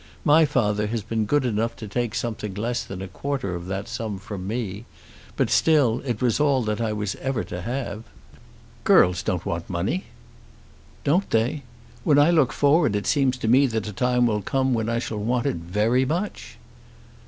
My father has been good enough to take something less than a quarter of that sum from me; but still it was all that I was ever to have." "Girls don't want money." "Don't they? When I look forward it seems to me that a time will come when I shall want it very much."